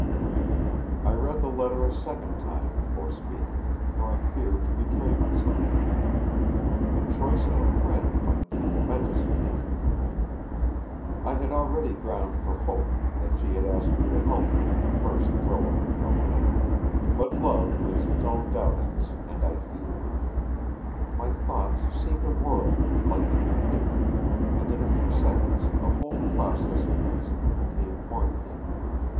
I read the letter a second time before speaking, for I feared to betray myself. The choice of a friend might be a momentous occasion for me. I had already ground for hope, that she had asked me to help her in the first throe of her trouble; but love makes its own doubtings, and I feared. My thoughts seemed to whirl with lightning rapidity, and in a few seconds a whole process of reasoning became formulated.